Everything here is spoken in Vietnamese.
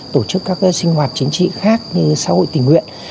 tổ chức các sinh hoạt chính trị khác như xã hội tình nguyện